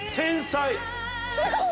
すごい！